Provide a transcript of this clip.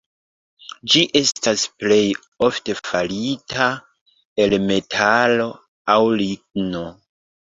Ĝi estas plej ofte farita el metalo aŭ ligno.